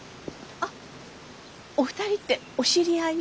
あっお二人ってお知り合い？